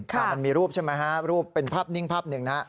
มันมีรูปใช่ไหมฮะรูปเป็นภาพนิ่งภาพหนึ่งนะฮะ